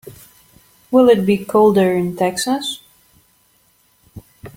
Will it be colder in Texas?